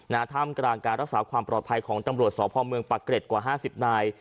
นาธรรมการการรักษาความปลอดภัยของตำรวจสอบภอมเมืองปะเกร็ดกว่า๕๐นาย